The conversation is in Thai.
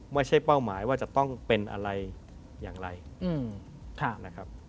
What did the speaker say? เป้าหมายว่าจะต้องเป็นอะไรอย่างไรนะครับ